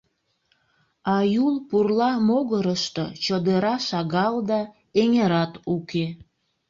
А Юл пурла могырышто чодыра шагал да, эҥерат уке.